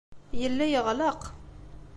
Yella yeɣleq.